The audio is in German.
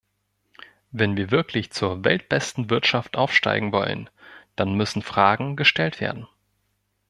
Wenn wir wirklich zur weltbesten Wirtschaft aufsteigen wollen, dann müssen Fragen gestellt werden.